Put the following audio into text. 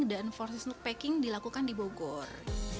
dan proses untuk packing dilakukan di bogor